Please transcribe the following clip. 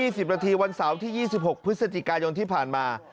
สิบนาทีวันเสาร์ที่๒๖พฤศจิกายนที่ผ่านมา